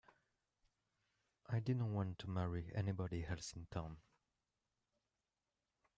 I didn't want to marry anybody else in town.